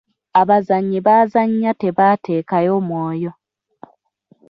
Abazannyi bazannya tebateekayo mwoyo.